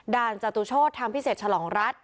จตุโชธทางพิเศษฉลองรัฐ